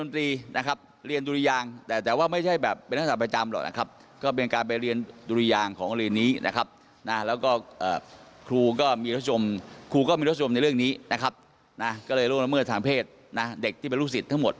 ทางเพศเด็กที่เป็นลูกศิษย์ทั้งหมด